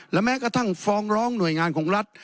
และแม้กระทั่งฟ้องร้องหน่วยงานของรัฐ